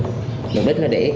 thì muốn biết ởidas